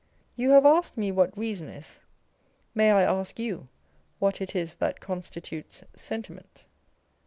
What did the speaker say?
You have asked me what Reason is : may I ask you what it is that constitutes Sentiment